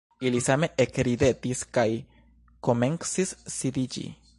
Ili same ekridetis kaj komencis disiĝi.